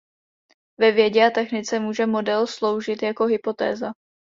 Ve vědě a technice může model sloužit jako hypotéza.